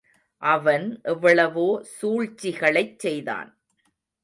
அவன் எவ்வளவோ சூழ்ச்சிகளைச் செய்தான்.